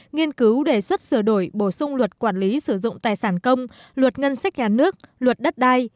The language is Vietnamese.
nghiên cứu đề xuất sửa đổi bổ sung luật quản lý sử dụng tài sản công luật ngân sách nhà nước luật đất đai